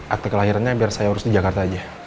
akte kelahirannya biar saya urus di jakarta aja